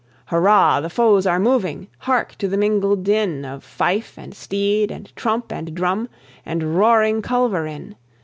Hurrah! the foes are moving. Hark to the mingled din Of fife, and steed, and trump, and drum, and roaring culverin.